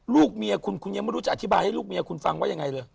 ลูกเมียคุณคุณยังไม่รู้จะอธิบายให้ลูกเมียคุณฟังว่ายังไงเลย